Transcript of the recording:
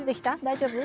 大丈夫？